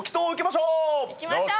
行きましょう。